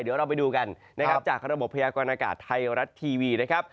เดี๋ยวเราไปดูกันนะครับจากระบบพยากรณากาศไทยรัฐทีวีนะครับ